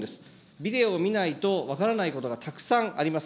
ビデオを見ないと分からないことがたくさんあります。